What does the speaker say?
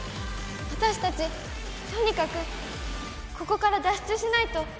私たちとにかくここから脱出しないと。